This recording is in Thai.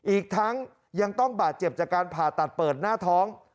อีกทั้งยังต้องบาดเจ็บจากการผ่าตัดเปิดหน้าท้อง